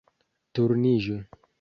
- Turniĝu